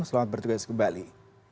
selamat bertugas kembali